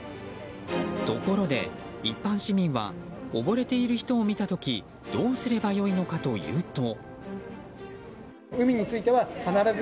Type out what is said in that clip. ところで、一般市民は溺れている人を見た時にどうすればよいのかというと。